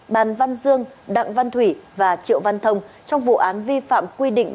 bàn văn dương đặng văn thủy và triệu văn thông trong vụ án vi phạm quy định